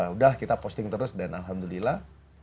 udah kita posting terus dan alhamdulillah